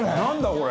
これ！